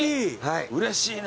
うれしいね。